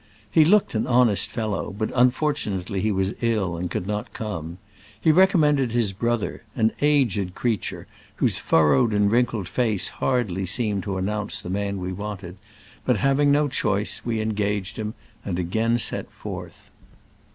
He looked an honest fellow, but unfor tunately he was ill and could not come. He recommended his brother, an aged creature, whose furrowed and wrinkled face hardly seemed to announce the man we wanted ; but, having no choice, we engaged him and again set forth.